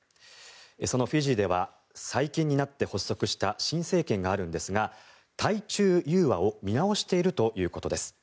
そのフィジーでは最近になって発足した新政権があるんですが対中融和を見直しているということです。